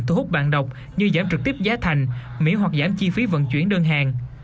thu hút bạn đọc như giảm trực tiếp giá thành miễn hoặc giảm chi phí vận chuyển đơn hàng